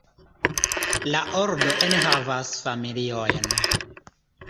La ordo enhavas familiojn.